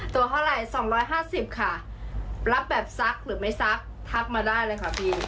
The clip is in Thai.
ตัวเท่าไหร่๒๕๐ค่ะรับแบบซักหรือไม่ซักทักมาได้เลยค่ะพี่